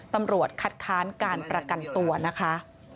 ตำรวจคัดค้านการประกันตัวนะคะ